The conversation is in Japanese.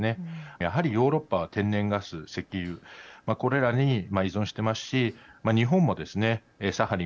やはりヨーロッパは天然ガス、石油これらに依存していますし日本もですねサハリン